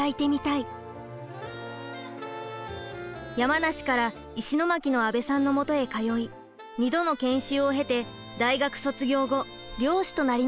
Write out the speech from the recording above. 山梨から石巻の阿部さんのもとへ通い２度の研修を経て大学卒業後漁師となりました。